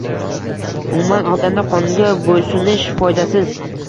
Umuman olganda, qonunga bo'ysunish "foydasiz"